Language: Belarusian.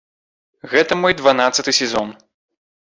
Гэта мой дванаццаты сезон.